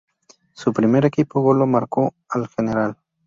Su primer gol lo marcó al Gral.